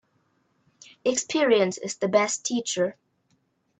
Experience is the best teacher.